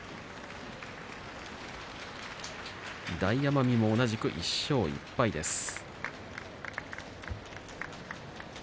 大奄美、同じく１勝１敗です。